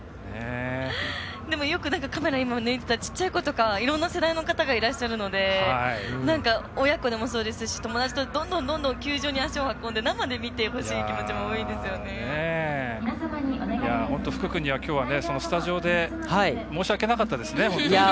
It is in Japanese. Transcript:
でも、よく今、カメラにも出ていたちっちゃい子とかいろんな世代の方がいらっしゃるので親子でもそうですし友達とどんどん球場に足を運んで生で見てほしい気持ちも本当に福くんにはスタジオで申し訳なかったですね。